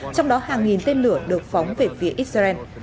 trong đó hàng nghìn tên lửa được phóng về phía israel